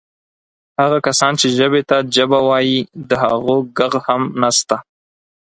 هغه کسان چې ژبې ته جبه وایي د هغو ږغ هم نسته.